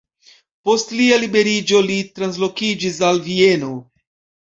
Post lia liberiĝo li translokiĝis al Vieno.